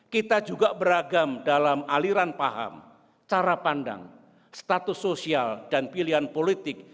kita juga beragam dalam aliran paham cara pandang status sosial dan pilihan politik